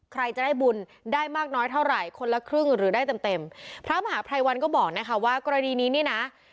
ใครจะได้บุญได้มากน้อยเท่าไหร่คนละครึ่งหรือได้เต็มเต็มพระมหาภัยวันก็บอกนะคะว่ากรณีนี้นี่นะ